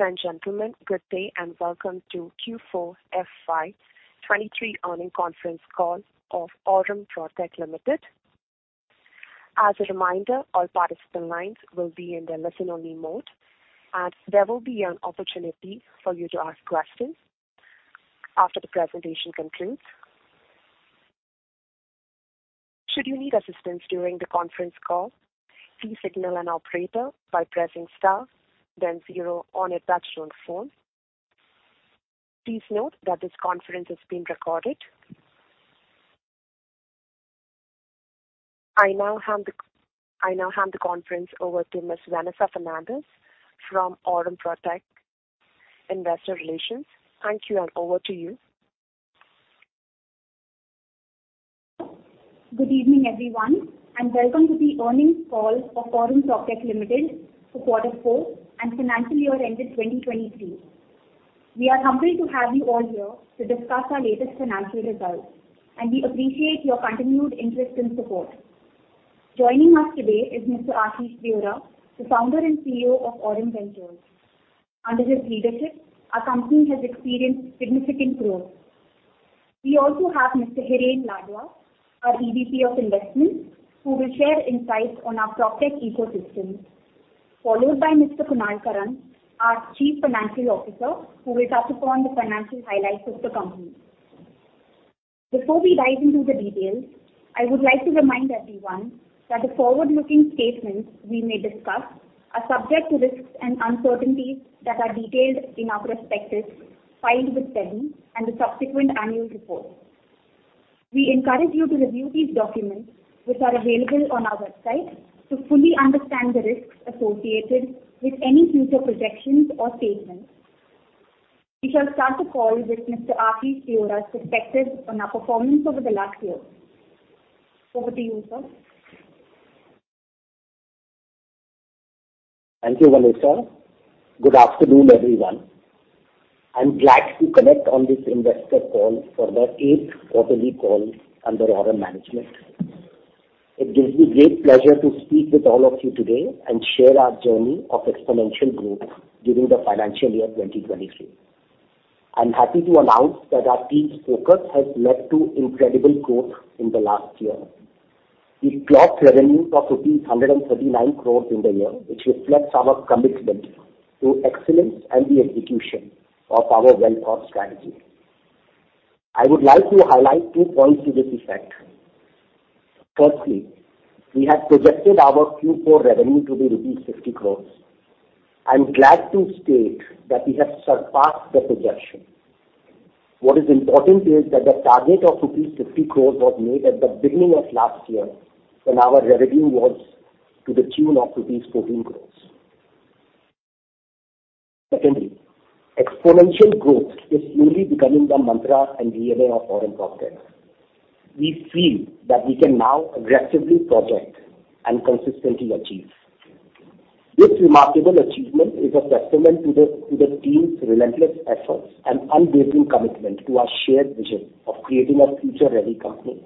Ladies and gentlemen, good day and welcome to Q4 FY2023 earning conference call of Aurum PropTech Limited. As a reminder, all participant lines will be in the listen only mode, and there will be an opportunity for you to ask questions after the presentation concludes. Should you need assistance during the conference call, please signal an operator by pressing star then zero on a touch-tone phone. Please note that this conference is being recorded. I now hand the conference over to Ms. Vanessa Fernandes from Aurum PropTech Investor Relations. Thank you, and over to you. Good evening, everyone. Welcome to the earnings call of Aurum PropTech Limited for quarter four and FY2023. We are humbled to have you all here to discuss our latest financial results, and we appreciate your continued interest and support. Joining us today is Mr. Ashish Deora, the Founder and CEO of Aurum Ventures. Under his leadership, our company has experienced significant growth. We also have Mr. Hiren Ladva, our EVP of Investments, who will share insights on our PropTech ecosystem, followed by Mr. Kunal Karan, our Chief Financial Officer, who will touch upon the financial highlights of the company. Before we dive into the details, I would like to remind everyone that the forward-looking statements we may discuss are subject to risks and uncertainties that are detailed in our prospectus filed with SEBI and the subsequent annual report. We encourage you to review these documents, which are available on our website to fully understand the risks associated with any future projections or statements. We shall start the call with Mr. Ashish Deora's perspectives on our performance over the last year. Over to you, sir. Thank you, Vanessa. Good afternoon, everyone. I'm glad to connect on this investor call for the eighth quarterly call under Aurum management. It gives me great pleasure to speak with all of you today and share our journey of exponential growth during FY2023. I'm happy to announce that our team's focus has led to incredible growth in the last year. We've clocked revenue of 139 crores in the year, which reflects our commitment to excellence and the execution of our well-thought strategy. I would like to highlight two points to this effect. Firstly, we had projected our Q4 revenue to be rupees 50 crores. I'm glad to state that we have surpassed the projection. What is important is that the target of rupees 50 crores was made at the beginning of last year when our revenue was to the tune of rupees 14 crores. Secondly, exponential growth is slowly becoming the mantra and DNA of Aurum PropTech. We feel that we can now aggressively project and consistently achieve. This remarkable achievement is a testament to the team's relentless efforts and unwavering commitment to our shared vision of creating a future-ready company.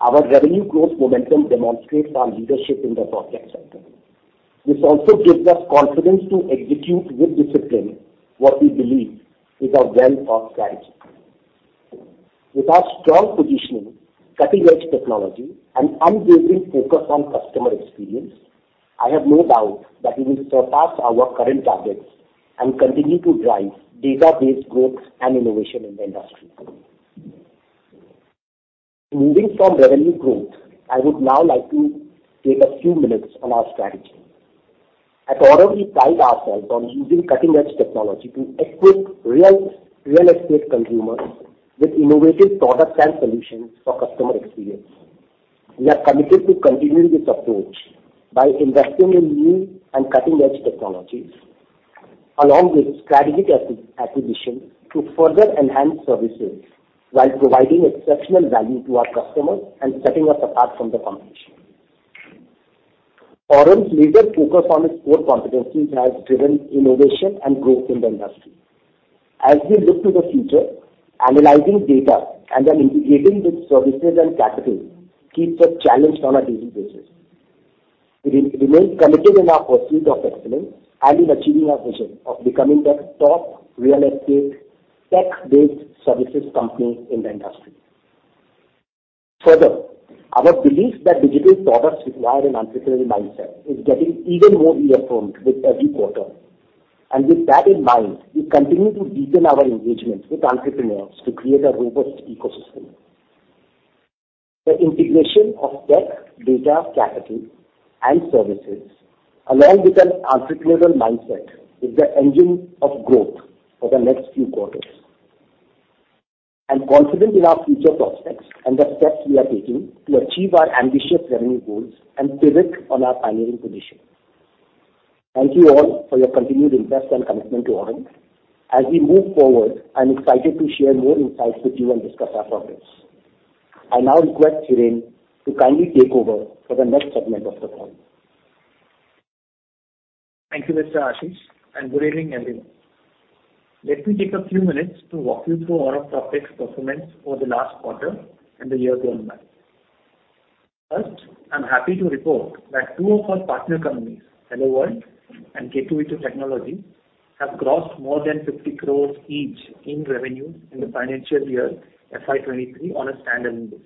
Our revenue growth momentum demonstrates our leadership in the PropTech sector. This also gives us confidence to execute with discipline what we believe is a well-thought strategy. With our strong positioning, cutting-edge technology and unwavering focus on customer experience, I have no doubt that we will surpass our current targets and continue to drive data-based growth and innovation in the industry. Moving from revenue growth, I would now like to take a few minutes on our strategy. At Aurum, we pride ourselves on using cutting-edge technology to equip real estate consumers with innovative products and solutions for customer experience. We are committed to continuing this approach by investing in new and cutting-edge technologies, along with strategic acquisition to further enhance services while providing exceptional value to our customers and setting us apart from the competition. Aurum's laser focus on its core competencies has driven innovation and growth in the industry. As we look to the future, analyzing data and then integrating with services and capital keeps us challenged on a daily basis. We remain committed in our pursuit of excellence and in achieving our vision of becoming the top real estate tech-based services company in the industry. Further, our belief that digital products require an entrepreneurial mindset is getting even more reaffirmed with every quarter. With that in mind, we continue to deepen our engagement with entrepreneurs to create a robust ecosystem. The integration of tech, data, capital and services, along with an entrepreneurial mindset, is the engine of growth for the next few quarters. I'm confident in our future prospects and the steps we are taking to achieve our ambitious revenue goals and pivot on our pioneering position. Thank you all for your continued interest and commitment to Aurum. As we move forward, I'm excited to share more insights with you and discuss our progress. I now request Hiren to kindly take over for the next segment of the call. Thank you, Mr. Ashish. Good evening, everyone. Let me take a few minutes to walk you through Aurum PropTech's performance over the last quarter and the year gone by. First, I'm happy to report that two of our partner companies, HelloWorld and K2V2 Technologies, have crossed more than 50 crores each in revenue in the financial year FY2023 on a standalone basis.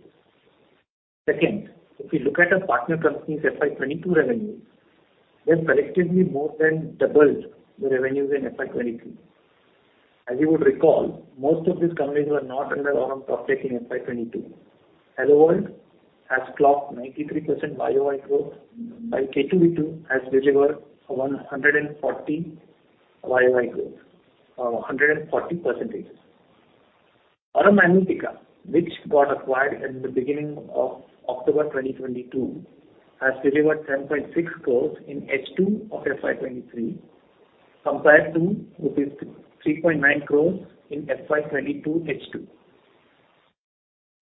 Second, if you look at our partner companies' FY 2022 revenues, they have collectively more than doubled the revenues in FY2023. As you would recall, most of these companies were not under Aurum's protection in FY2022. HelloWorld has clocked 93% YOY growth, while K2V2 has delivered 140 YOY growth, 140%. Aurum Analytica, which got acquired in the beginning of October 2022, has delivered 7.6 crores in H2 of FY2023 compared to 3.9 crores in FY2022 H2.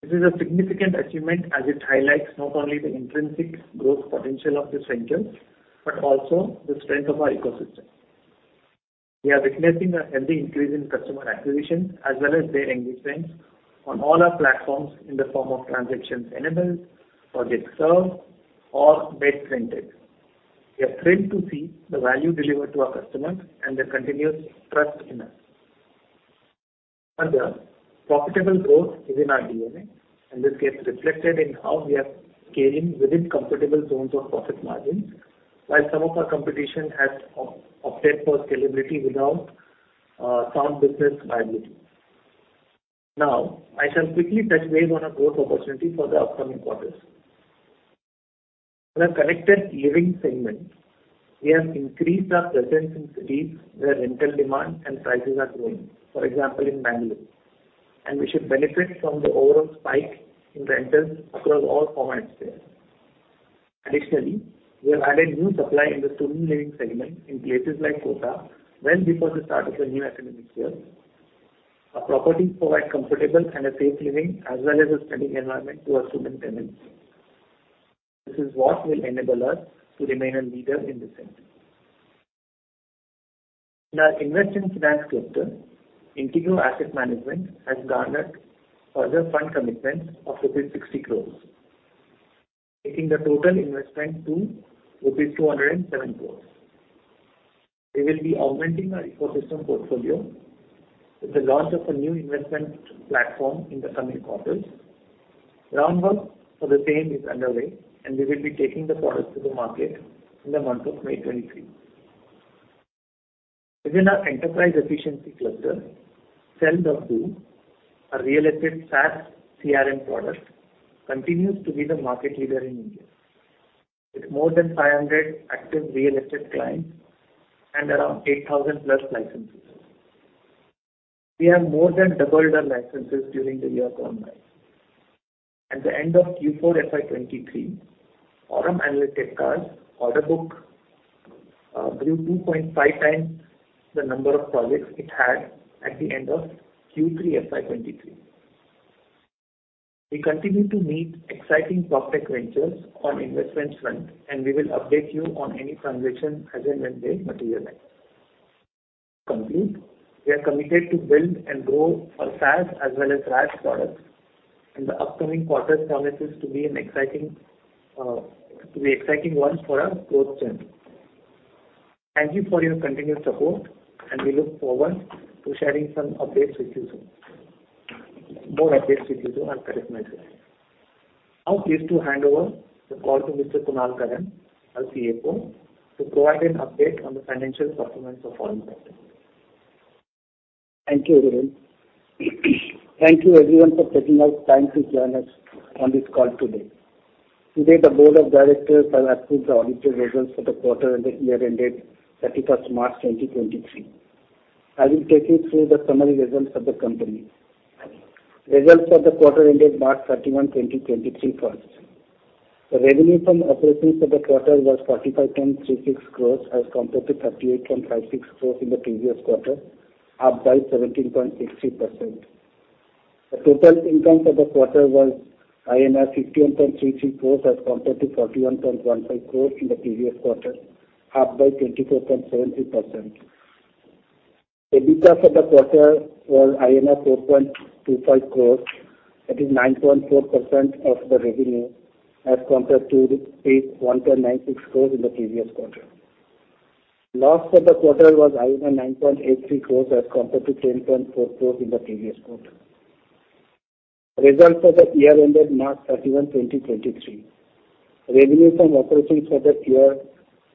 This is a significant achievement as it highlights not only the intrinsic growth potential of this venture, but also the strength of our ecosystem. We are witnessing a healthy increase in customer acquisition as well as their engagements on all our platforms in the form of transactions enabled, projects served or bed rented. We are thrilled to see the value delivered to our customers and their continuous trust in us. Profitable growth is in our DNA, and this gets reflected in how we are scaling within comfortable zones of profit margins while some of our competition has opted for scalability without sound business viability. Now, I shall quickly touch base on our growth opportunity for the upcoming quarters. In our connected living segment, we have increased our presence in cities where rental demand and prices are growing, for example, in Bangalore, and we should benefit from the overall spike in rentals across all formats there. Additionally, we have added new supply in the student living segment in places like Kota well before the start of the new academic year. Our properties provide comfortable and a safe living as well as a studying environment to our student tenants. This is what will enable us to remain a leader in this segment. In our investment finance cluster, Integrow Asset Management has garnered further fund commitments of rupees 60 crores, taking the total investment to rupees 207 crores. We will be augmenting our ecosystem portfolio with the launch of a new investment platform in the coming quarters. Groundwork for the same is underway. We will be taking the product to the market in the month of May 2023. Within our enterprise efficiency cluster, Sell.do, our real estate SaaS CRM product, continues to be the market leader in India, with more than 500 active real estate clients and around 8,000+ licenses. We have more than doubled our licenses during the year gone by. At the end of Q4 FY2023, Aurum Analytica's order book grew 2.5x the number of projects it had at the end of Q3 FY2023. We continue to meet exciting PropTech ventures on investments front. We will update you on any transaction as and when they materialize. To conclude, we are committed to build and grow our SaaS as well as PaaS products, and the upcoming quarter promises to be an exciting one for our growth journey. Thank you for your continued support, and we look forward to sharing more updates with you soon on our quarter metrics. Now pleased to hand over the call to Mr. Kunal Karan, our CFO, to provide an update on the financial performance of Aurum PropTech. Thank you, Hiren. Thank you everyone for taking out time to join us on this call today. Today, the board of directors have approved the audited results for the quarter and the year ended 31st March 2023. I will take you through the summary results of the company. Results for the quarter ended March 31, 2023 first. The revenue from operations for the quarter was 45.36 crores as compared to 38.56 crores in the previous quarter, up by 17.60%. The total income for the quarter was INR 51.33 crores as compared to 41.15 crores in the previous quarter, up by 24.73%. EBITDA for the quarter was INR 4.25 crores, that is 9.4% of the revenue as compared to 8.96 crores in the previous quarter. Loss for the quarter was INR 9.83 crores as compared to 10.4 crores in the previous quarter. Results for the year ended March 31, 2023. Revenue from operations for the year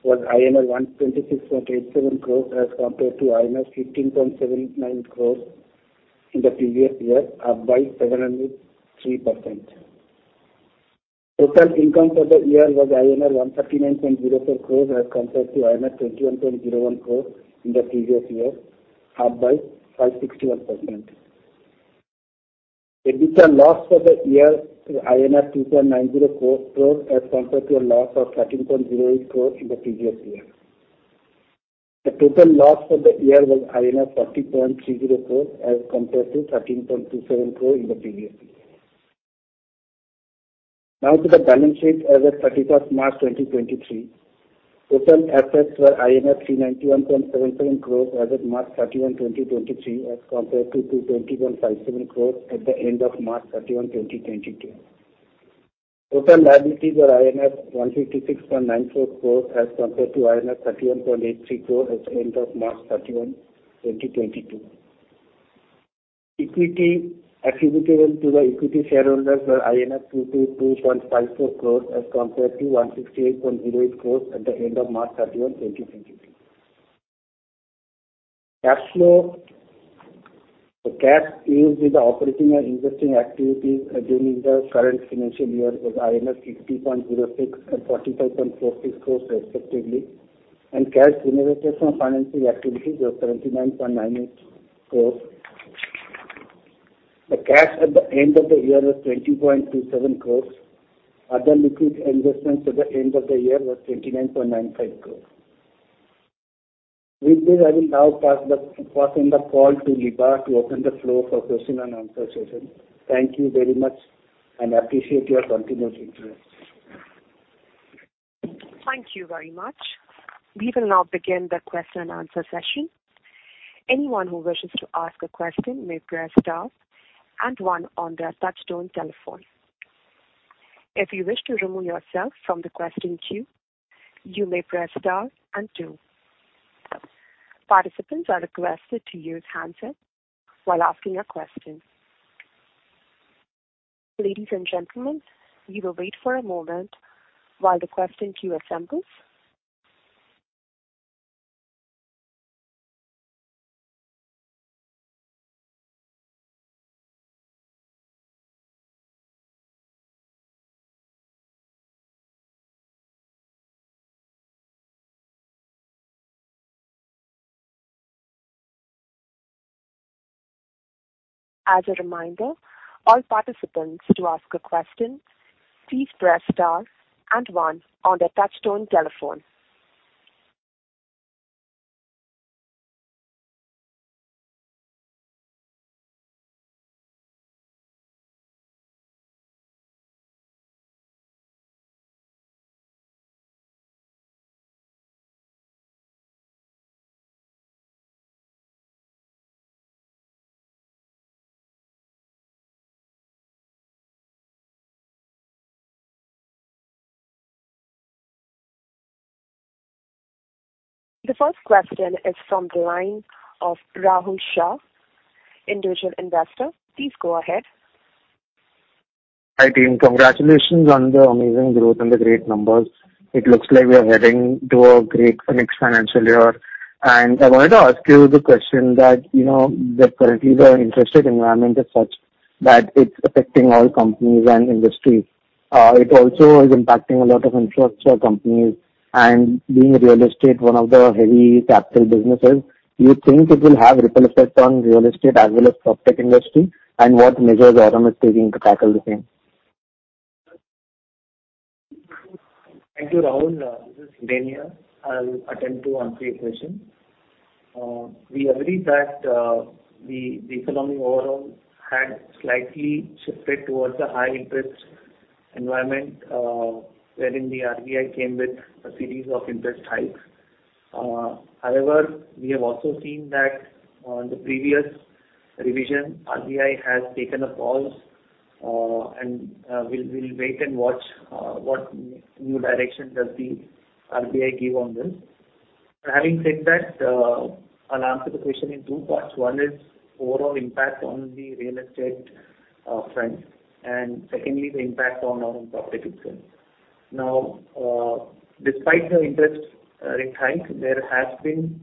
was 126.87 crores as compared to 15.79 crores in the previous year, up by 703%. Total income for the year was INR 139.04 crores as compared to INR 21.01 crores in the previous year, up by 561%. EBITDA loss for the year INR 2.90 crores as compared to a loss of 13.08 crores in the previous year. The total loss for the year was 40.30 crores as compared to 13.27 crores in the previous year. Now to the balance sheet as at 31st March, 2023. Total assets were 391.77 crores as of March 31, 2023, as compared to 220.57 crores at the end of March 31, 2022. Total liabilities were 156.94 crores as compared to 31.83 crore at the end of March 31, 2022. Equity attributable to the equity shareholders were 222.54 crores as compared to 168.08 crores at the end of March 31, 2022. Cash flow. The cash used in the operating and investing activities during the current financial year was 60.06 and 45.46 crores respectively, and cash generated from financing activities was 29.98 crores. The cash at the end of the year was 20.27 crores. Other liquid investments at the end of the year were 29.95 crores. With this, I will now passing the call to [Lizan] to open the floor for question and answer session. Thank you very much and appreciate your continuous interest. Thank you very much. We will now begin the question and answer session. Anyone who wishes to ask a question may press star and one on their touchtone telephone. If you wish to remove yourself from the question queue, you may press star and two. Participants are requested to use handsets while asking a question. Ladies and gentlemen, we will wait for a moment while the question queue assembles. As a reminder, all participants to ask a question, please press star and one on their touchtone telephone. The first question is from the line of Rahul Shah, Individual Investor. Please go ahead. Hi, team. Congratulations on the amazing growth and the great numbers. It looks like we are heading to a great next financial year. I wanted to ask you the question that, you know, that currently the interested environment is such that it's affecting all companies and industries. It also is impacting a lot of infrastructure companies and being real estate, one of the heavy capital businesses. You think it will have ripple effect on real estate as well as PropTech industry and what measures Aurum is taking to tackle the same? Thank you, Rahul. This is Hiren. I'll attempt to answer your question. We agree that the economy overall had slightly shifted towards a high interest environment, wherein the RBI came with a series of interest hikes. We have also seen that in the previous revision, RBI has taken a pause, and we'll wait and watch what new direction does the RBI give on this. Having said that, I'll answer the question in two parts. One is overall impact on the real estate front, and secondly, the impact on our own PropTech itself. Despite the interest rate hike, there has been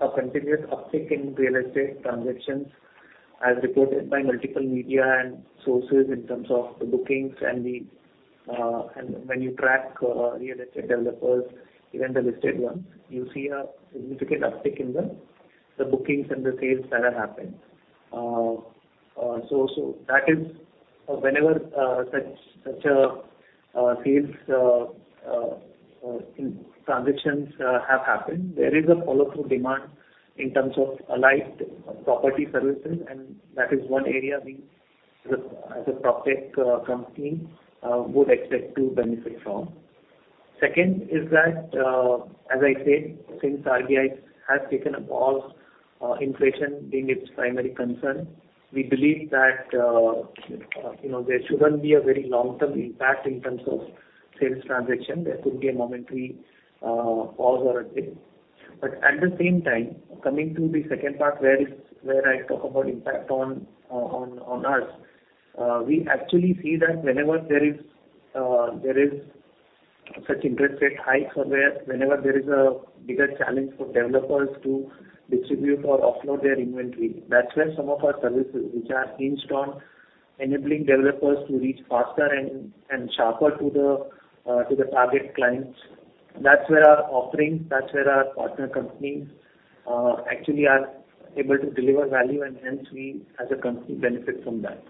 a continuous uptick in real estate transactions as reported by multiple media and sources in terms of the bookings and when you track real estate developers, even the listed ones, you see a significant uptick in the bookings and the sales that are happening. So that is whenever such a sales in transactions have happened, there is a follow through demand in terms of allied property services, and that is one area we as a PropTech company would expect to benefit from. Second is that, as I said, since RBI has taken a pause, inflation being its primary concern, we believe that, you know, there shouldn't be a very long-term impact in terms of sales transaction. There could be a momentary pause or a dip. At the same time, coming to the second part where I talk about impact on, on us, we actually see that whenever there is such interest rate hikes or whenever there is a bigger challenge for developers to distribute or offload their inventory, that's where some of our services, which are hinged on enabling developers to reach faster and sharper to the target clients. That's where our offerings, that's where our partner companies, actually are able to deliver value and hence we as a company benefit from that.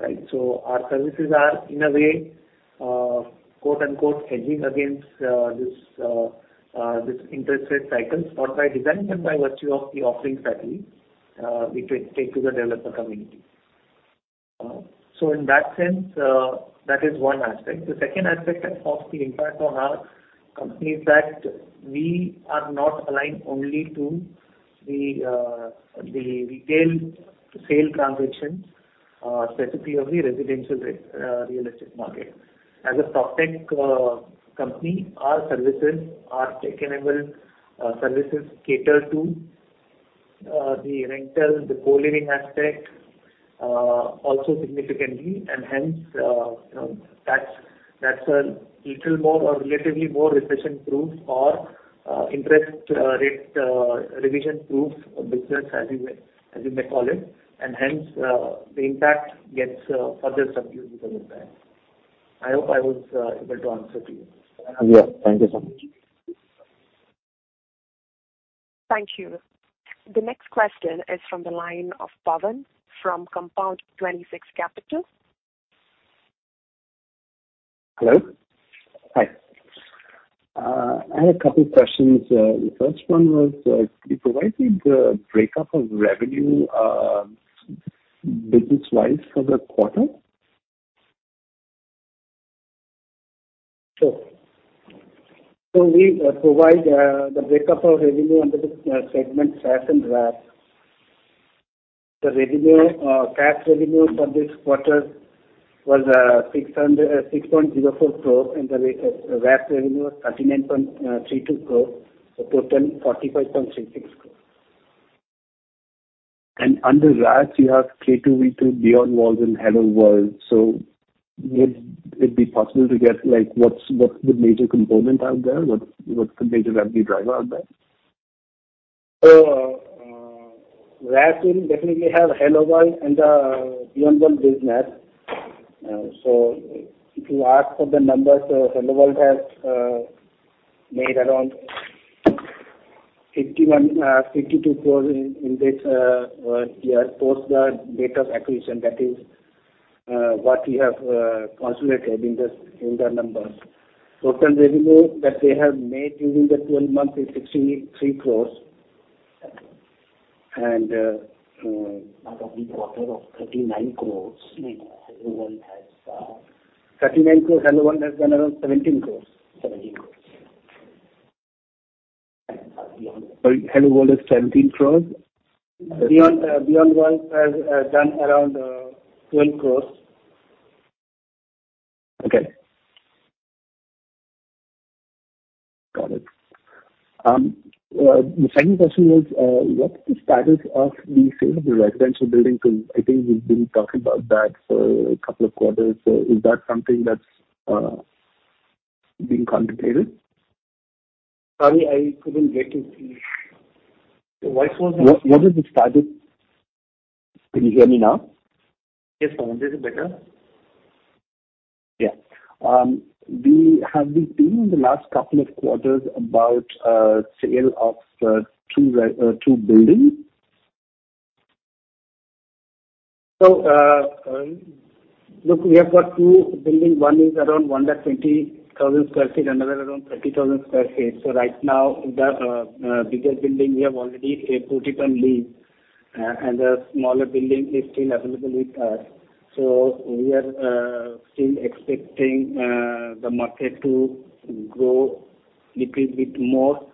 Right? Our services are in a way, quote-unquote, hedging against this interest rate cycles or by design and by virtue of the offerings that we take to the developer community. In that sense, that is one aspect. The second aspect that positive impact on our company is that we are not aligned only to the retail sale transactions, specifically only residential real estate market. As a PropTech company, our services, our tech-enabled services cater to the rental, the co-living aspect also significantly. Hence, you know, that's a little more or relatively more recession-proof or interest rate revision-proof business as you may, as you may call it. Hence, the impact gets further subdued because of that. I hope I was able to answer to you. Yeah. Thank you so much. Thank you. The next question is from the line of Pawan from Compound 26 Capital. Hello. Hi. I had a couple questions. The first one was, could you provide me the breakup of revenue, business-wise for the quarter? Sure. We provide the breakup of revenue under the segment SaaS and RaaS. The SaaS revenue for this quarter was 6.04 crore, and the RaaS revenue was 39.32 crore. Total 45.66 crore. Under VaaS you have K2V2, BeyondWalls and HelloWorld. Would it be possible to get like what's the major component out there? What's the major revenue driver out there? VaaS will definitely have HelloWorld and BeyondWalls business. If you ask for the numbers, HelloWorld has made around 51-52 crores in this year post the date of acquisition. That is what we have consolidated in the numbers. Total revenue that they have made during the 12 months is 63 crores. Out of the quarter of 39 crores. BeyondWalls has, 39 crores, HelloWorld has done around 17 crores. 17 crores. Beyond- Sorry, BeyondWalls is 17 crores? Beyond BeyondWalls has done around 12 crores. Okay. Got it. The second question was, what is the status of the sale of the residential building? I think we've been talking about that for a couple of quarters. Is that something that's being contemplated? Sorry, I couldn't get you. The voice was not clear. What is the status... Can you hear me now? Yes. Now this is better. We have been hearing the last couple of quarters about, sale of, two buildings. Look, we have got two buildings. One is around 120,000 sq ft, another around 30,000 sq ft. Right now the bigger building we have already put it on lease. And the smaller building is still available with us. We are still expecting the market to grow little bit more.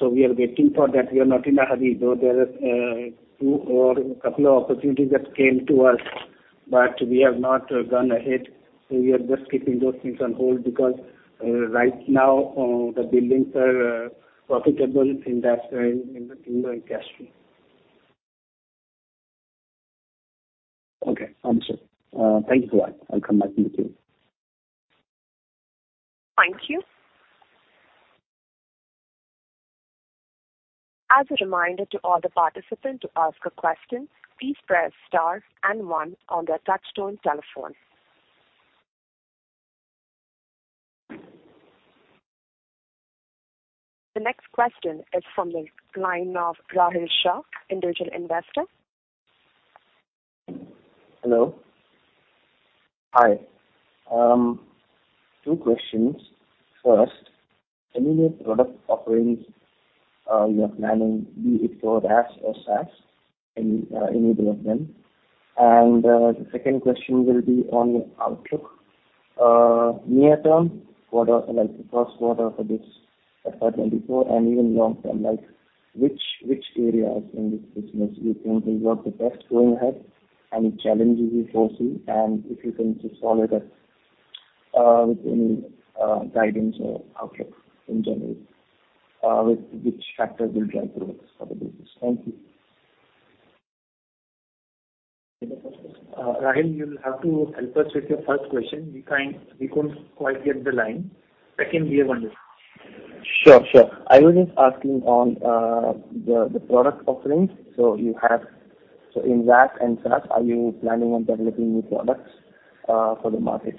We are waiting for that. We are not in a hurry, though there are two or couple of opportunities that came to us, but we have not gone ahead. We are just keeping those things on hold because right now the buildings are profitable in that in the industry. Okay. Understood. Thank you for that. I'll come back to you too. Thank you. As a reminder to all the participants to ask a question, please press star and one on their touchtone telephone. The next question is from the line of Rahul Shah, Individual Investor. Hello. Hi. two questions. First, any new product offerings you are planning, be it for VaaS or SaaS, any of them? The second question will be on your outlook. Near term, quarter like the first quarter for this FY2024 and even long term, like which areas in this business you think will work the best going ahead, any challenges you foresee, and if you can just follow that with any guidance or outlook in general, with which factors will drive the growth for the business? Thank you. Rahul, you'll have to help us with your first question. We couldn't quite get the line. Second, we have understood. Sure. I was just asking on the product offerings. In RaaS and SaaS, are you planning on developing new products for the market?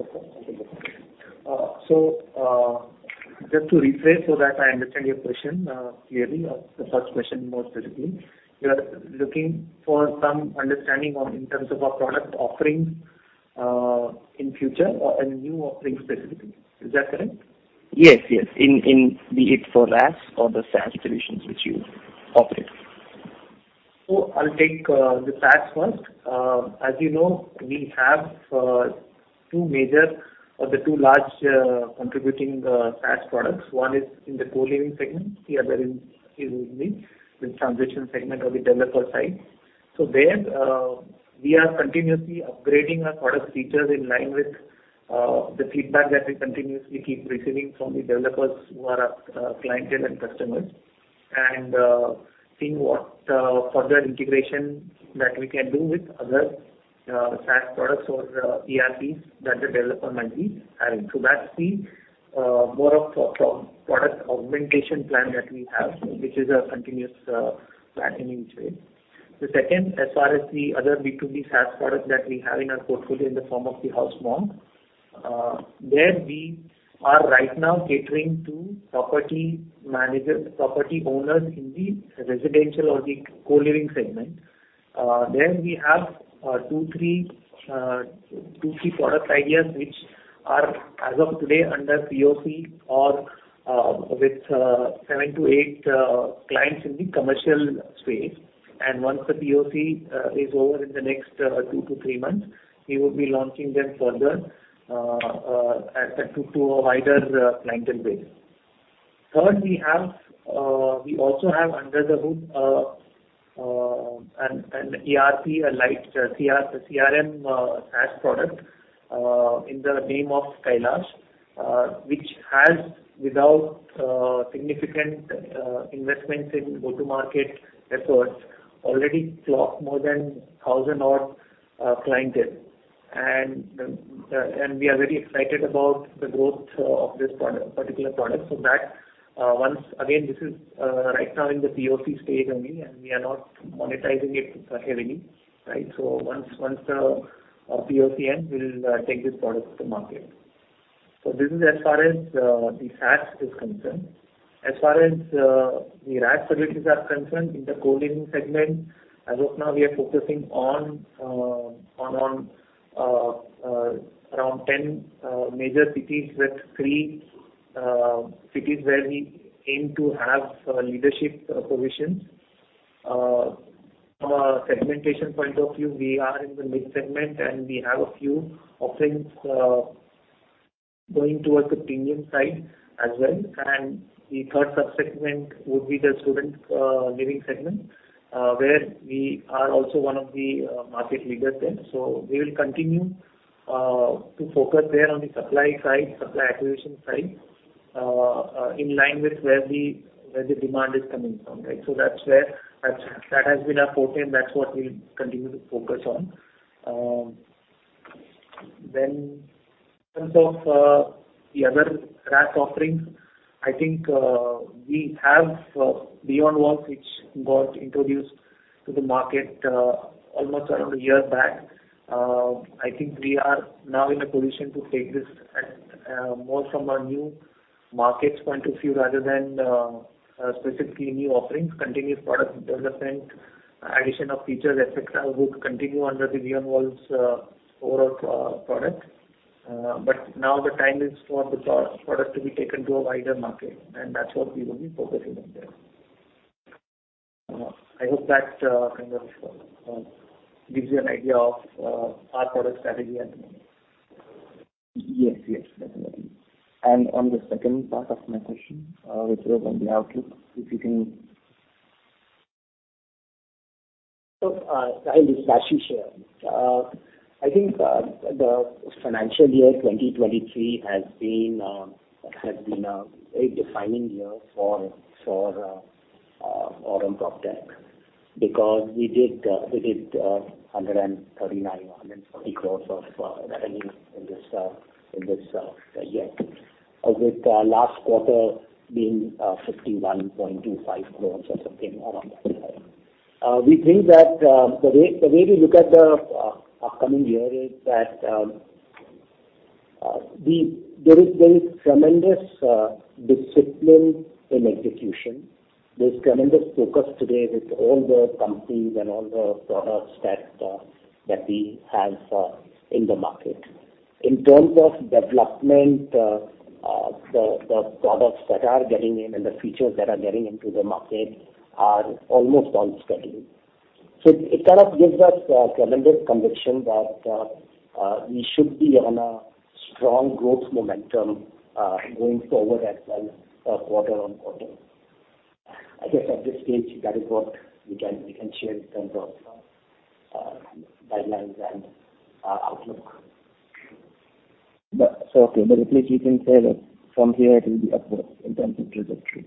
Okay, just to rephrase so that I understand your question clearly, the first question more specifically, you are looking for some understanding on in terms of our product offerings in future or any new offerings specifically. Is that correct? Yes, yes. Be it for RaaS or the SaaS solutions which you operate. I'll take the SaaS first. As you know, we have two major or the two large contributing SaaS products. One is in the co-living segment, the other in the transition segment or the developer side. There, we are continuously upgrading our product features in line with the feedback that we continuously keep receiving from the developers who are our clientele and customers. Seeing what further integration that we can do with other SaaS products or ERPs that the developer might be adding. That's the more of product augmentation plan that we have, which is a continuous plan anyway. The second, as far as the other B2B SaaS product that we have in our portfolio in the form of TheHouseMonk, there we are right now catering to property managers, property owners in the residential or the co-living segment. There we have two, three product ideas which are as of today under POC or, with seven to eight clients in the commercial space. Once the POC is over in the next two to three months, we will be launching them further to a wider clientele base. Third, we have, we also have under the hood, an ERP, a light CRM, SaaS product, in the name of Kailash, which has without significant investments in go-to-market efforts already clocked more than 1,000 odd clientele. We are very excited about the growth of this particular product. Once again, this is right now in the POC stage only, and we are not monetizing it heavily, right? Once the POC ends, we'll take this product to market. This is as far as the SaaS is concerned. As far as the RaaS services are concerned, in the co-living segment, as of now we are focusing on around 10 major cities with three cities where we aim to have leadership positions. From a segmentation point of view, we are in the mid segment, and we have a few offerings going towards the premium side as well. The third subsegment would be the student living segment where we are also one of the market leaders there. We will continue to focus there on the supply side, supply acquisition side in line with where the demand is coming from, right? That's where that has been our forte, and that's what we'll continue to focus on. In terms of the other RaaS offerings, I think we have BeyondWalls, which got introduced to the market almost around a year back. I think we are now in a position to take this at more from a new markets point of view rather than specifically new offerings. Continuous product development, addition of features, et cetera, would continue under the BeyondWalls overall product. Now the time is for the pro-product to be taken to a wider market, and that's what we will be focusing on there. I hope that kind of gives you an idea of our product strategy. Yes, yes, definitely. On the second part of my question, which was on the outlook, if you can... I'll just actually share. I think the financial year 2023 has been a very defining year for Aurum PropTech. We did 139 or 140 crores of revenue in this year. With last quarter being 51.25 crores or something around that time. We think that the way we look at the upcoming year is that there is very tremendous discipline in execution. There's tremendous focus today with all the companies and all the products that we have in the market. In terms of development, the products that are getting in and the features that are getting into the market are almost on schedule. It kind of gives us tremendous conviction that we should be on a strong growth momentum going forward as well, quarter-on-quarter. I guess at this stage, that is what we can share in terms of guidelines and outlook. Okay, at least you can say that from here it will be upwards in terms of trajectory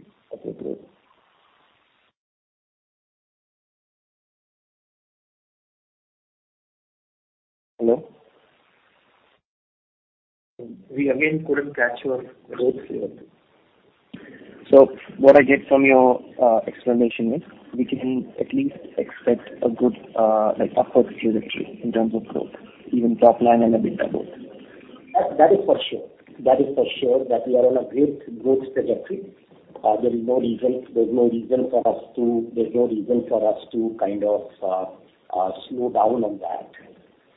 of the group. Hello? We again couldn't catch your words clearly. What I get from your explanation is we can at least expect a good, like, upward trajectory in terms of growth, even top line and EBITDA both. That is for sure. That is for sure that we are on a great growth trajectory. There's no reason for us to kind of slow down on that.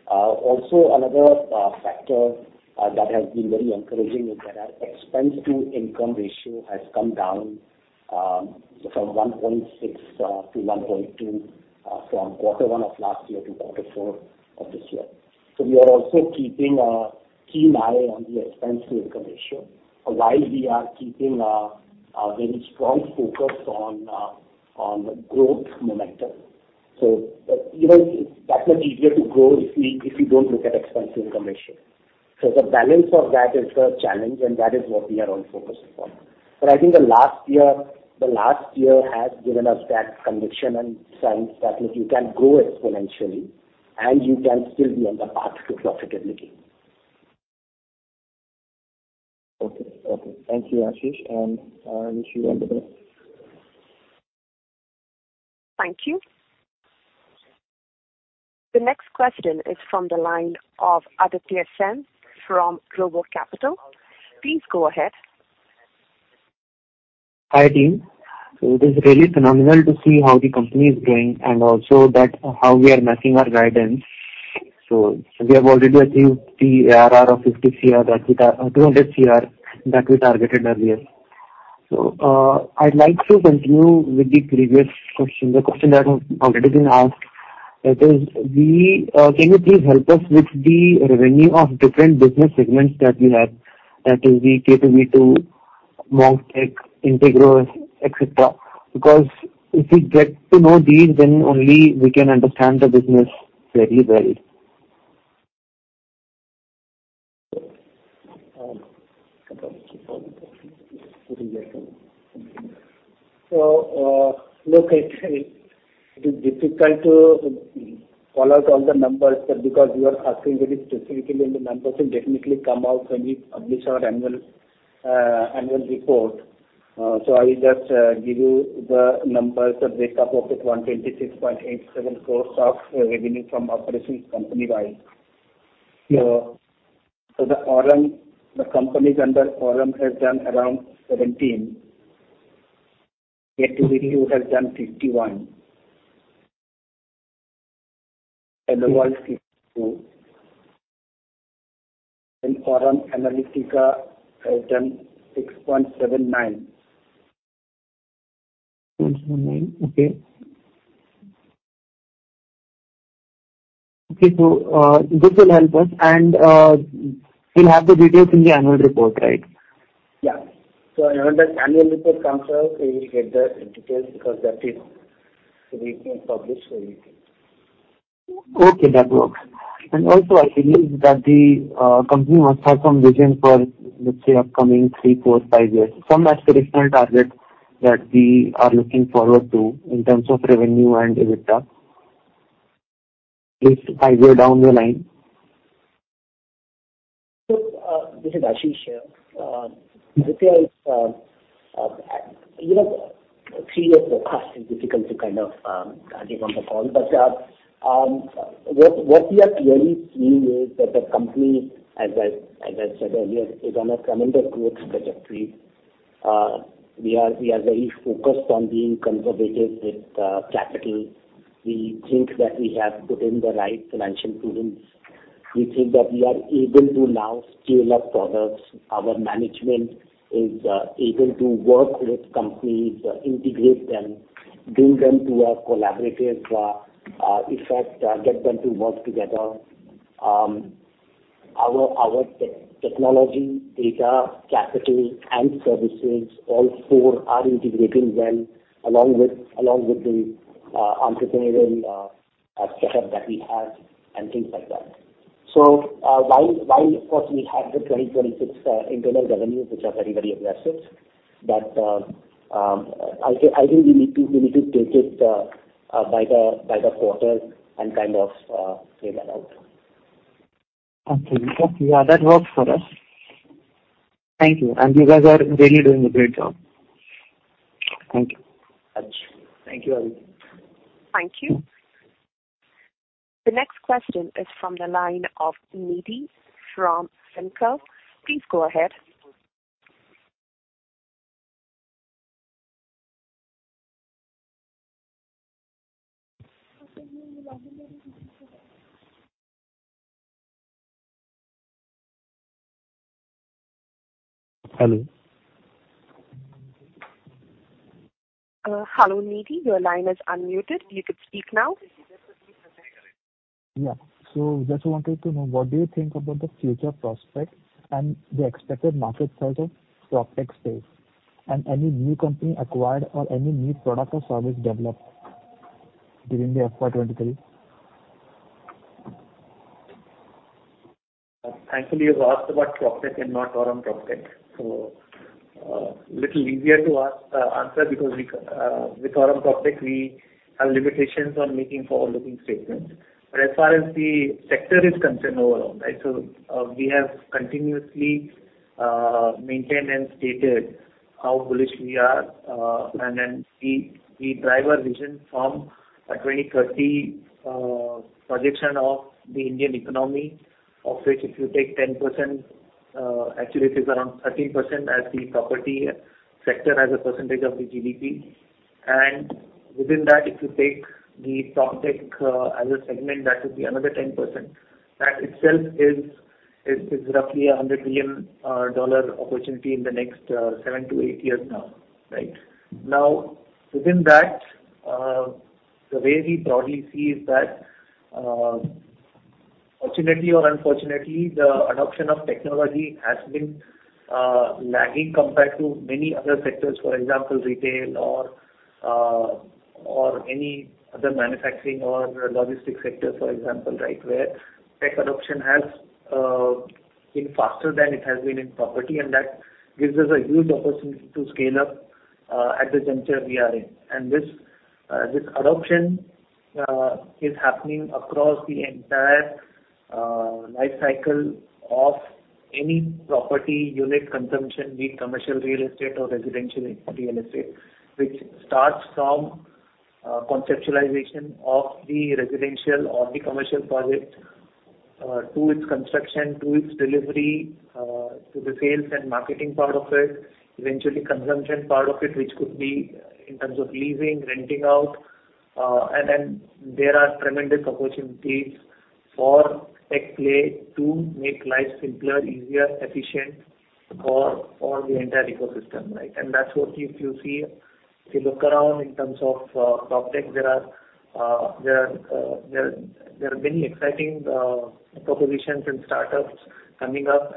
Also another factor that has been very encouraging is that our expense to income ratio has come down from 1.6 to 1.2 from Q1 of last year to Q4 of this year. We are also keeping a keen eye on the expense to income ratio while we are keeping a very strong focus on the growth momentum. You know, it's that much easier to grow if you don't look at expense to income ratio. The balance of that is the challenge, and that is what we are all focused upon. I think the last year has given us that conviction and signs that, look, you can grow exponentially and you can still be on the path to profitability. Okay. Okay. Thank you, Ashish, and wish you all the best. Thank you. The next question is from the line of Aditya Sen from RoboCapital. Please go ahead. Hi, team. It is really phenomenal to see how the company is doing and also that how we are matching our guidance. We have already achieved the ARR of 50 crore that we 200 crore that we targeted earlier. I'd like to continue with the previous question, the question that has already been asked. That is, we... Can you please help us with the revenue of different business segments that you have? That is the K2V2 Monk Tech, Integrow, et cetera. Because if we get to know these, then only we can understand the business very well. look, it is difficult to call out all the numbers because you are asking very specifically, and the numbers will definitely come out when we publish our annual report. I'll just give you the numbers, the breakup of the 126.87 crores of revenue from operations company-wide. Sure. The Aurum, the companies under Aurum has done around 17. Yet to reveal has done 51. Okay. The world, 52. Aurum Analytica has done 6.79. 6.79. Okay. Okay. This will help us and we'll have the details in the annual report, right? Yeah. Whenever annual report comes out, you will get the details because that is to be published for you. Okay, that works. Also, I believe that the company must have some vision for, let's say, upcoming three, four, five years. Some aspirational target that we are looking forward to in terms of revenue and EBITDA at least five year down the line. Look, this is Ashish here. This year is, you know, three years forecast is difficult to kind of guide you on the call. What we are clearly seeing is that the company, as I said earlier, is on a tremendous growth trajectory. We are very focused on being conservative with capital. We think that we have put in the right financial prudence. We think that we are able to now scale up products. Our management is able to work with companies, integrate them, bring them to a collaborative effect, get them to work together. Our technology, data, capital and services, all four are integrating well along with the entrepreneurial setup that we have and things like that. While of course we have the 2026 internal revenues, which are very, very aggressive, but, I'll say, I think we need to, we need to take it by the quarter and kind of play that out. Okay. Okay. Yeah, that works for us. Thank you. You guys are really doing a great job. Thank you. Thank you. Thank you. The next question is from the line of Nidhi from Fincon. Please go ahead. Hello. Hello, Nidhi. Your line is unmuted. You could speak now. Yeah. Just wanted to know, what do you think about the future prospects and the expected market size of PropTech space? Any new company acquired or any new product or service developed during the FY2023? Thankfully you've asked about PropTech and not Aurum PropTech. Little easier to answer because with Aurum PropTech, we have limitations on making forward-looking statements. As far as the sector is concerned overall, right, we have continuously maintained and stated how bullish we are, and then we drive our vision from a 2030 projection of the Indian economy, of which if you take 10%, actually it is around 13% as the property sector as a percentage of the GDP. Within that, if you take the PropTech as a segment, that is another 10%. That itself is roughly a $100 million dollar opportunity in the next seven to eight years now. Within that, the way we broadly see is that fortunately or unfortunately, the adoption of technology has been lagging compared to many other sectors. For example, retail or any other manufacturing or logistic sector, for example. Where tech adoption has been faster than it has been in property. That gives us a huge opportunity to scale up at the juncture we are in. This adoption is happening across the entire life cycle of any property unit consumption, be it commercial real estate or residential real estate, which starts from conceptualization of the residential or the commercial project to its construction, to its delivery, to the sales and marketing part of it, eventually consumption part of it, which could be in terms of leasing, renting out. Then there are tremendous opportunities for tech play to make life simpler, easier, efficient for the entire ecosystem, right? That's what if you look around in terms of PropTech, there are many exciting propositions and startups coming up.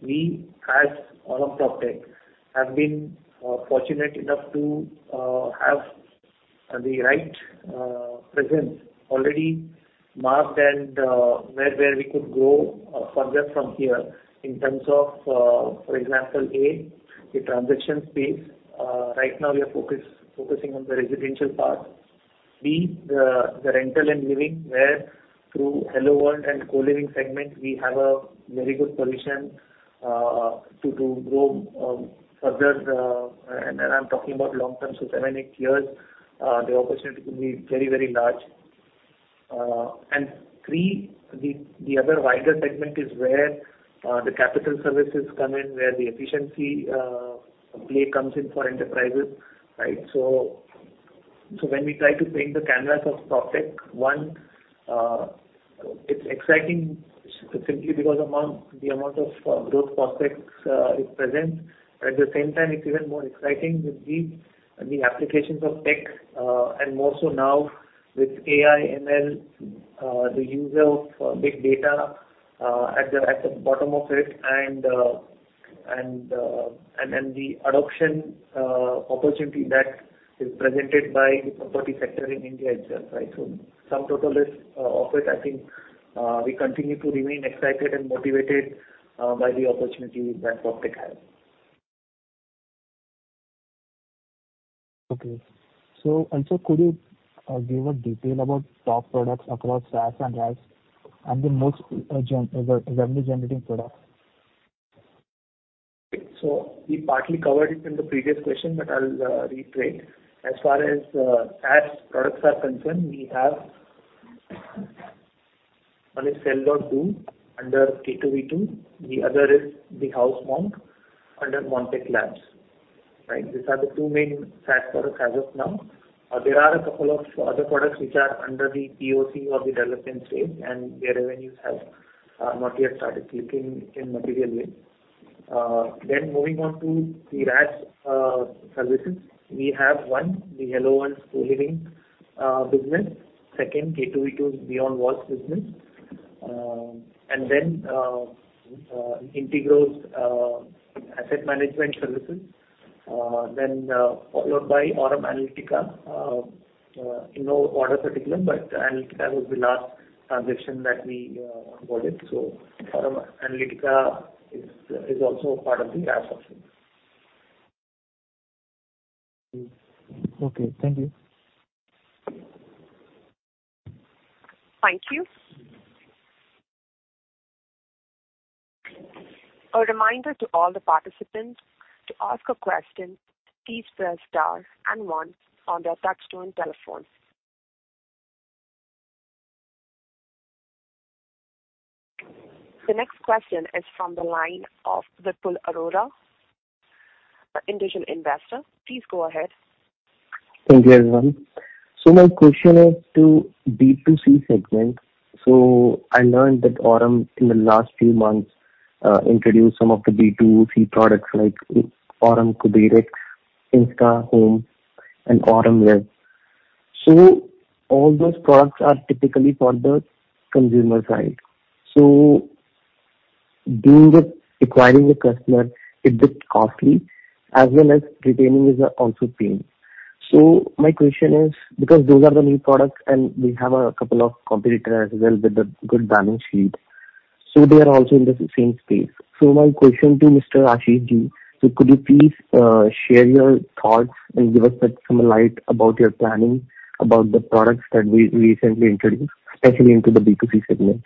We as Aurum PropTech have been fortunate enough to have the right presence already marked and where we could grow further from here in terms of, for example, A, the transaction space. Right now we are focusing on the residential part. B, the rental and living, where through HelloWorld and co-living segment, we have a very good position to grow further. I'm talking about long term. Seven, eight years, the opportunity could be very large. Three, the other wider segment is where the capital services come in, where the efficiency play comes in for enterprises, right? When we try to paint the canvas of PropTech, One, it's exciting simply because among the amount of growth prospects is present. At the same time, it's even more exciting with the applications of tech, and more so now with AI, ML, the use of big data at the bottom of it and then the adoption opportunity that is presented by the property sector in India itself, right? Sum total is of it, I think, we continue to remain excited and motivated by the opportunity that PropTech has. Could you give a detail about top products across SaaS and PaaS and the most revenue generating product? We partly covered it in the previous question, but I'll reiterate. As far as SaaS products are concerned, we have. One is Sell.do under K2V2. The other is TheHouseMonk under Monk Tech Labs, right. These are the two main SaaS products as of now. There are a couple of other products which are under the POC or the development stage, and their revenues have not yet started kicking in materially. Then moving on to the PaaS services. We have one, the HelloWorld co-living business. Second, K2V2's BeyondWalls business. And then, Integrow's asset management services. Then, followed by Aurum Analytica. You know, order particular, but Analytica was the last transition that we onboarded. Aurum Analytica is also part of the PaaS offering. Okay. Thank you. Thank you. A reminder to all the participants, to ask a question, please press star and one on your touchtone telephone. The next question is from the line of Vipul Arora, Individual Investor. Please go ahead. Thank you, everyone. My question is to B2C segment. I learned that Aurum in the last few months introduced some of the B2C products like Aurum KuberX, InstaHome and Aurum Liv. All those products are typically for the consumer side. Acquiring the customer is bit costly as well as retaining is also pain. My question is, because those are the new products and we have a couple of competitors as well with a good balance sheet, so they are also in the same space. My question to Mr. Ashish Deora, so could you please share your thoughts and give us some light about your planning about the products that we recently introduced, especially into the B2C segment?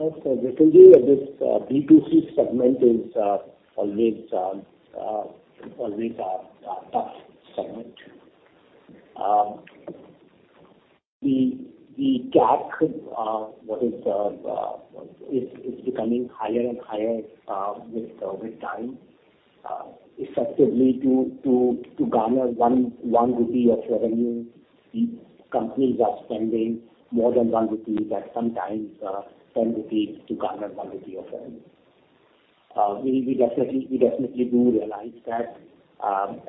Yes, Vipul ji, this B2C segment is always tough. The CAC, what is the, is becoming higher and higher with time. Effectively to garner 1 rupee of revenue, the companies are spending more than 1 rupee, but sometimes 10 rupees to garner 1 rupee of revenue. We definitely do realize that,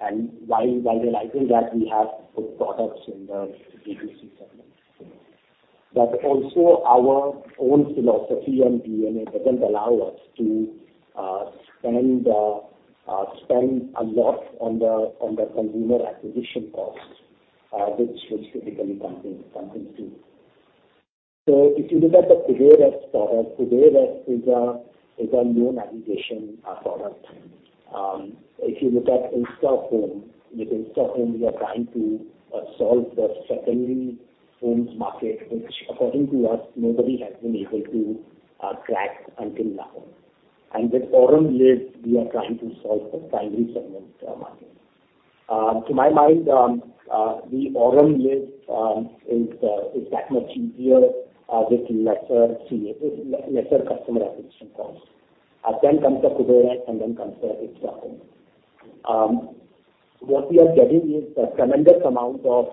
and while realizing that we have put products in the B2C segment. Also our own philosophy and DNA doesn't allow us to spend a lot on the consumer acquisition costs, which typically companies do. If you look at the KuberX product, KuberX is a loan aggregation product. If you look at InstaHome, with InstaHome we are trying to solve the secondary homes market, which according to us, nobody has been able to crack until now. With Aurum Liv, we are trying to solve the primary segment market. To my mind, the Aurum Liv is that much easier with lesser customer acquisition costs. Then comes the KuberX, and then comes the InstaHome. What we are getting is a tremendous amount of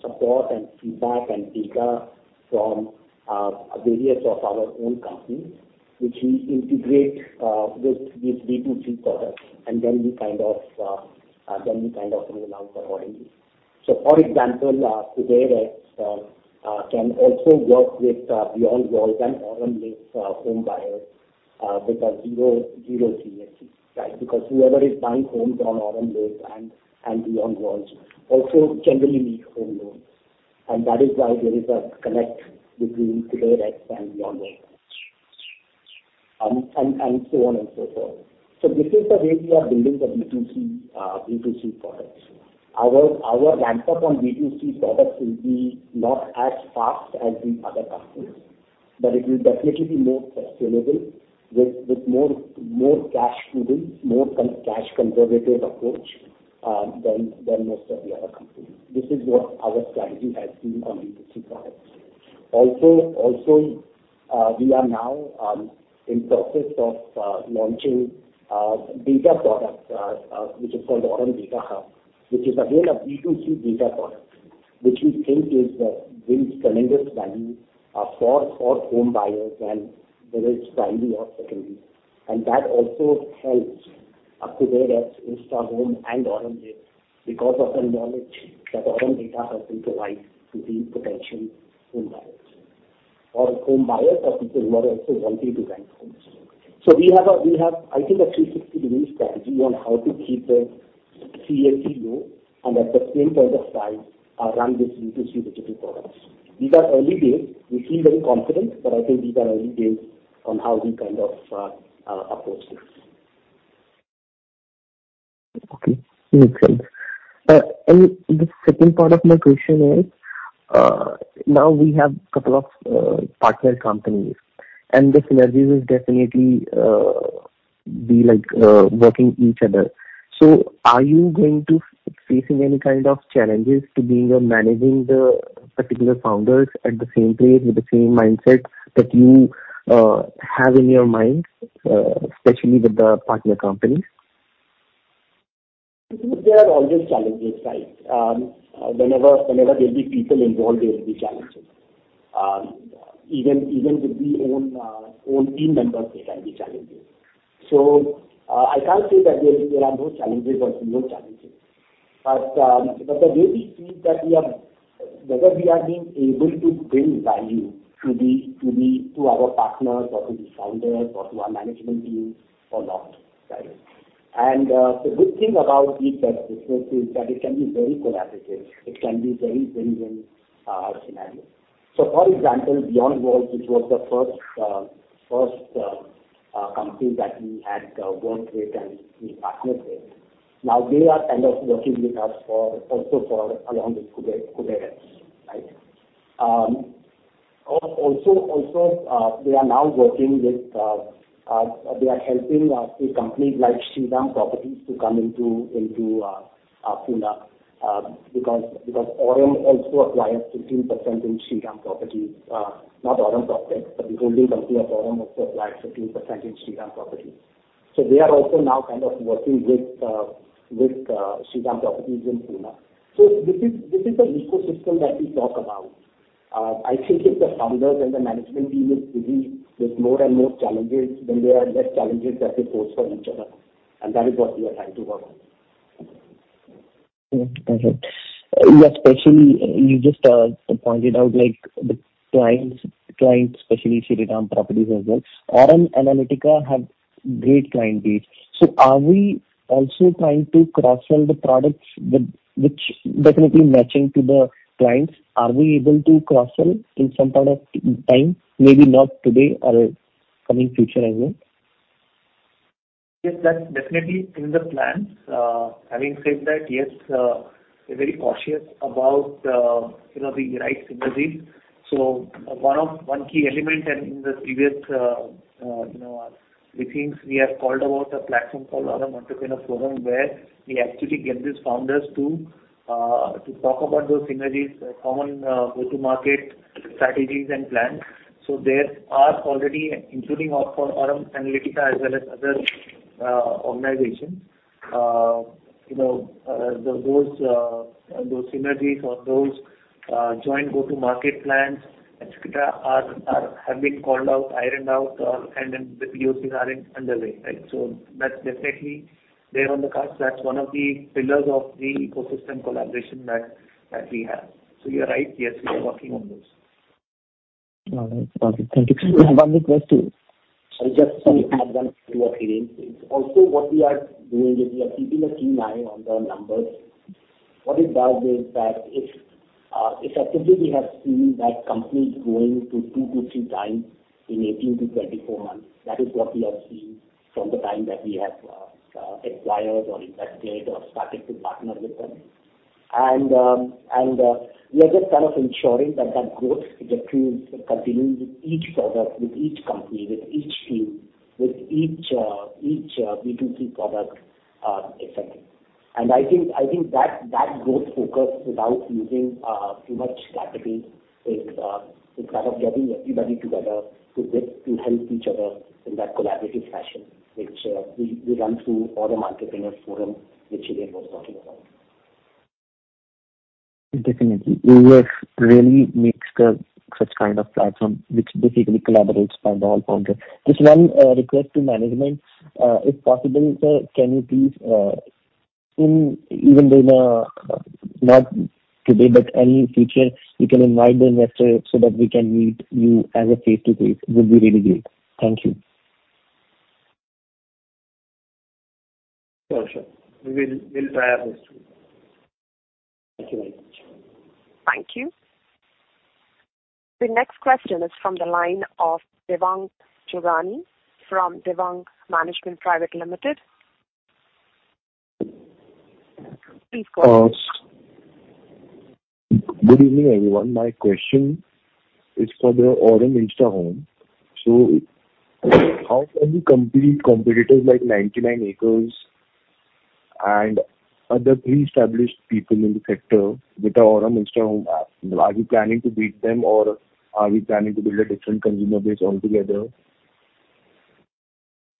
support and feedback and data from various of our own companies, which we integrate with these B2C products, and then we kind of bring it out for Aurum Liv. For example, KuberX can also work with BeyondWalls and Aurum Liv home buyers with a zero CAC, right? Whoever is buying homes on Aurum Liv and BeyondWalls also generally need home loans. That is why there is a connect between KuberX and BeyondWalls. So on and so forth. This is the way we are building the B2C products. Our ramp-up on B2C products will be not as fast as the other companies, but it will definitely be more sustainable with more cash prudence, more cash conservative approach, than most of the other companies. This is what our strategy has been on B2C products. Also, we are now in process of launching data products, which is called Aurum Data Hub, which is again a B2C data product, which we think is brings tremendous value for home buyers and whether it's primary or secondary. That also helps KuberX, InstaHome and Aurum Liv because of the knowledge that Aurum Data Hub will provide to these potential home buyers. Home buyers or people who are also wanting to bank homes. We have I think a 360-degree strategy on how to keep the CAC low and at the same point of time, run these B2C digital products. These are early days. We feel very confident, I think these are early days on how we kind of approach this. Okay. Makes sense. The second part of my question is, now we have couple of partner companies, the synergies will definitely be like working each other. Are you going to facing any kind of challenges to being or managing the particular founders at the same place with the same mindset that you have in your mind, especially with the partner companies? There are always challenges, right? Whenever there'll be people involved, there will be challenges. Even with the own team members, there can be challenges. I can't say that there are no challenges or zero challenges. But the way we think that we are whether we are being able to bring value to the to our partners or to the founders or to our management teams or not, right? The good thing about tech business is that it can be very collaborative, it can be very win-win scenario. For example, BeyondWalls, which was the first company that we had worked with and we partnered with. Now they are kind of working with us for also for along with KuberX, right? Also, we are now working with, they are helping a company like Shriram Properties to come into Pune, because Aurum also acquired 15% in Shriram Properties. Not Aurum Properties, but the holding company of Aurum also acquired 15% in Shriram Properties. They are also now kind of working with Shriram Properties in Pune. This is the ecosystem that we talk about. I think if the founders and the management team is busy with more and more challenges, then there are less challenges that they pose for each other, and that is what we are trying to work on. Yeah. Got it. Yeah, especially you just pointed out like the clients, especially Shriram Properties as well. Aurum Analytica have great client base. Are we also trying to cross-sell the products with which definitely matching to the clients? Are we able to cross-sell in some point of time? Maybe not today or coming future, I mean. Yes, that's definitely in the plans. Having said that, yes, we're very cautious about, you know, the right synergies. One key element and in the previous, you know, meetings, we have called about a platform called Aurum Entrepreneurs Forum, where we actually get these founders to talk about those synergies, common go-to-market strategies and plans. There are already including of Aurum Analytica as well as other organizations, you know, those synergies or those joint go-to-market plans, et cetera, are have been called out, ironed out, and then the POCs are in underway. Right? That's definitely there on the cards. That's one of the pillars of the ecosystem collaboration that we have. You're right. Yes, we are working on those. All right. Got it. Thank you. One request. I'll just, sorry, add one to what Hiren said. Also, what we are doing is we are keeping a keen eye on the numbers. What it does is that if effectively we have seen that company growing to two to three times in 18-24 months. That is what we have seen from the time that we have acquired or invested or started to partner with them. We are just kind of ensuring that that growth trajectory is continuing with each product, with each company, with each team, with each B2C product, et cetera. I think that growth focus without using too much capital is kind of getting everybody together to help each other in that collaborative fashion, which we run through Aurum Entrepreneurs Forum, which Hiren was talking about. Definitely. You have really mixed such kind of platform which basically collaborates by the whole founder. Just one request to management. If possible, sir, can you please in even though now, not today, but any future you can invite the investor so that we can meet you as a face-to-face. It would be really great. Thank you. Sure, sure. We will, we'll try our best. Thank you very much. Thank you. The next question is from the line of Devang Chugani from Divan Management Private Limited. Please go ahead. Good evening, everyone. My question is for the Aurum InstaHome. How can you compete competitors like 99acres and other pre-established people in the sector with the Aurum InstaHome app? Are you planning to beat them or are we planning to build a different consumer base altogether?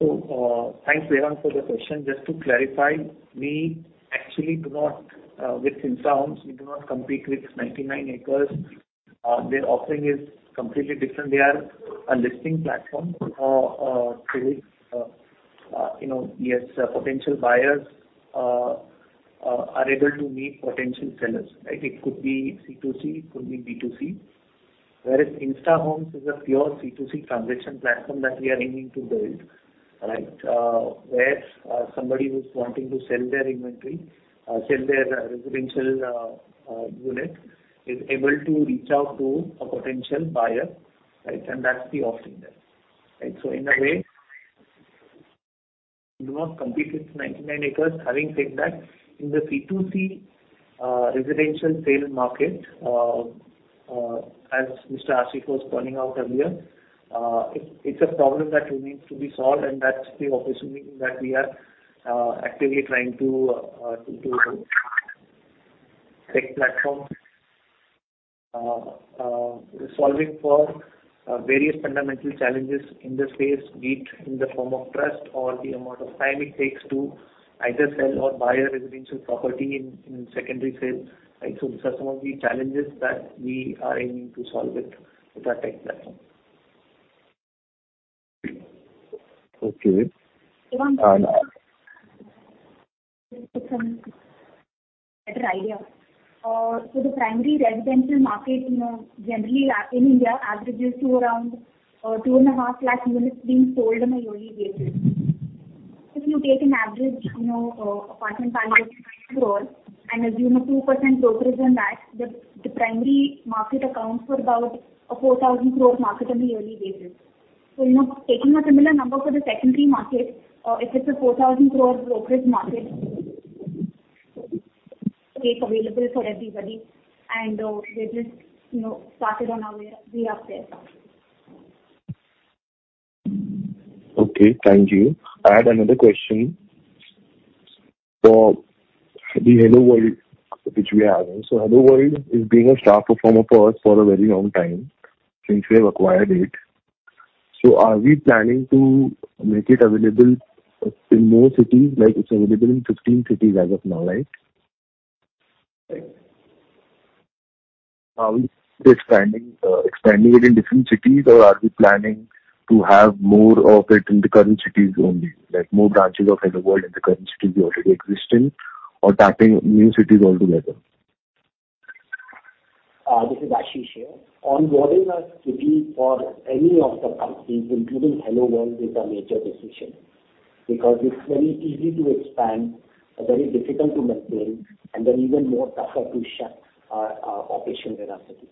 Thanks, Devang, for the question. Just to clarify, we actually do not with Instahomes, we do not compete with 99acres. Their offering is completely different. They are a listing platform to, you know, yes, potential buyers are able to meet potential sellers, right? It could be C2C, it could be B2C. Whereas Instahomes is a pure C2C transaction platform that we are aiming to build, right? Where somebody who's wanting to sell their inventory, sell their residential unit is able to reach out to a potential buyer, right? That's the offering there, right? In a way, we do not compete with 99acres. Having said that, in the C2C residential sales market as Mr. Ashish was pointing out earlier, it's a problem that remains to be solved, and that's the opportunity that we are actively trying to solve. Tech platform solving for various fundamental challenges in the space, be it in the form of trust or the amount of time it takes to either sell or buy a residential property in secondary sales. Right? These are some of the challenges that we are aiming to solve with our tech platform. Okay. Devang- And, uh- Just to give some better idea. The primary residential market, you know, generally in India averages to around, 2.5 lakh units being sold on a yearly basis. If you take an average, you know, apartment value of INR 20 crore and assume a 2% brokerage on that, the primary market accounts for about a 4,000 crore market on a yearly basis. You know, taking a similar number for the secondary market, if it's a 4,000 crore brokerage market, cake available for everybody, and, we're just, you know, started on our way re-up there side. Okay. Thank you. I had another question for the HelloWorld, which we have. HelloWorld is being a star performer for us for a very long time since we have acquired it. Are we planning to make it available in more cities like it's available in 15 cities as of now, right? Are we just planning expanding it in different cities, or are we planning to have more of it in the current cities only? Like, more branches of HelloWorld in the current cities we already exist in or tapping new cities altogether? This is Ashish here. Onboarding a city for any of the companies, including HelloWorld, is a major decision because it's very easy to expand, very difficult to maintain, and then even more tougher to shut operation in a city.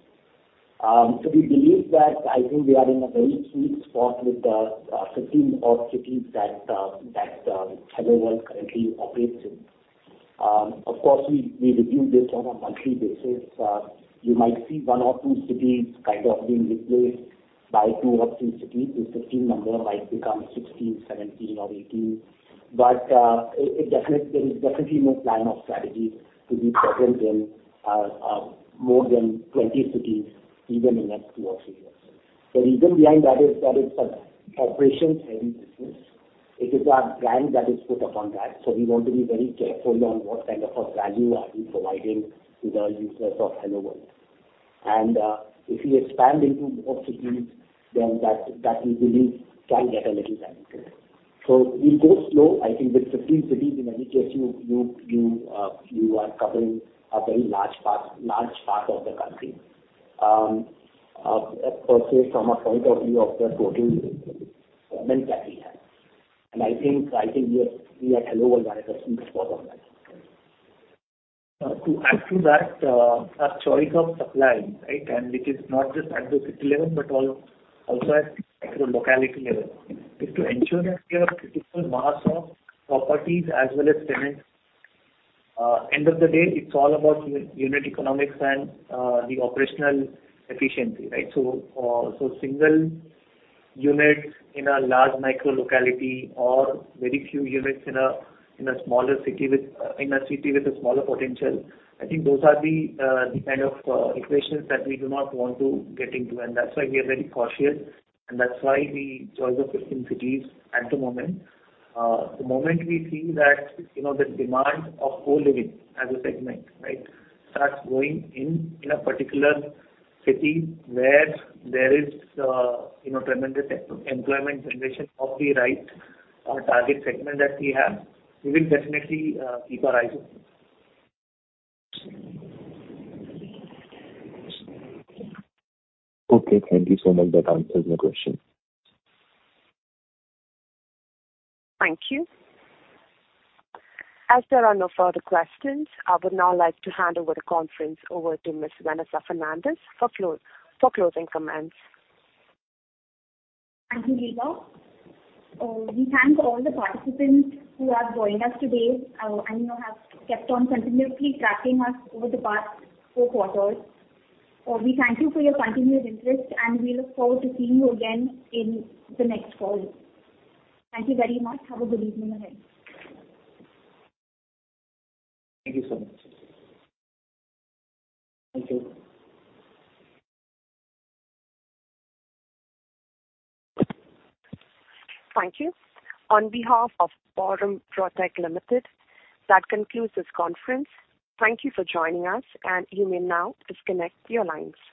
We believe that I think we are in a very sweet spot with the 15 odd cities that HelloWorld currently operates in. Of course, we review this on a monthly basis. You might see one or two cities kind of being replaced by two or three cities. The 15 number might become 16, 17 or 18. There is definitely no plan or strategy to be present in more than 20 cities even in next two or three years. The reason behind that is that it's an operations-heavy business. It is our brand that is put upon that, so we want to be very careful on what kind of a value are we providing to the users of HelloWorld. If we expand into more cities then we believe can get a little diluted. We go slow. I think with 15 cities, in any case, you are covering a very large part of the country. Per se from a point of view of the total rent that we have. I think we are, we at HelloWorld are at a sweet spot on that. To add to that, our choice of supply, right? It is not just at the city level, but also at micro locality level, is to ensure that we have a critical mass of properties as well as tenants. End of the day, it's all about unit economics and the operational efficiency, right? So single units in a large micro locality or very few units in a smaller city with in a city with a smaller potential, I think those are the kind of equations that we do not want to get into. That's why we are very cautious and that's why we chose the 15 cities at the moment. The moment we see that, you know, the demand of co-living as a segment, right, starts growing in a particular city where there is, you know, tremendous employment generation of the right target segment that we have, we will definitely keep our eyes open. Okay. Thank you so much. That answers my question. Thank you. As there are no further questions, I would now like to hand over the conference over to Ms. Vanessa Fernandes for closing comments. Thank you, [Lizan]. We thank all the participants who have joined us today, and, you know, have kept on continuously tracking us over the past four quarters. We thank you for your continuous interest, and we look forward to seeing you again in the next call. Thank you very much. Have a good evening ahead. Thank you so much. Thank you. Thank you. On behalf of Aurum PropTech Limited, that concludes this conference. Thank you for joining us, and you may now disconnect your lines.